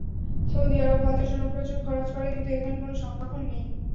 Saudi Arabia জন্য প্রচুর খরচ করে কিন্তু এখানে কোনো সংগঠন নেই।